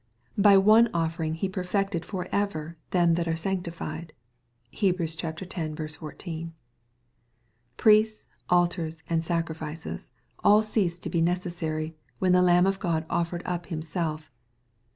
By one offering He perfected for ever them that are sanctified. (Heb. X. 14.) Priests, altars, and sacrifices, all ceased to be necessary, when the Lamb of God offered up Himself.